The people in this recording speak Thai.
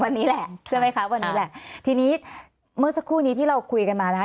วันนี้แหละใช่ไหมคะวันนี้แหละทีนี้เมื่อสักครู่นี้ที่เราคุยกันมานะคะ